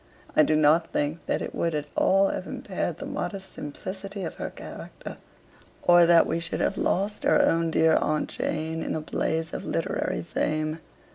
I do not think that it would at all have impaired the modest simplicity of her character; or that we should have lost our own dear 'Aunt Jane' in the blaze of literary fame.